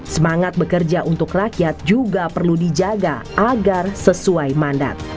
semangat bekerja untuk rakyat juga perlu dijaga agar sesuai mandat